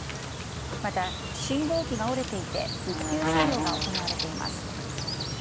また、信号機が折れていて復旧作業が行われています。